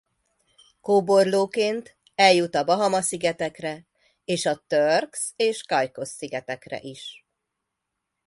Kóborlóként eljut a Bahama-szigetekre és a Turks- és Caicos-szigetekre is.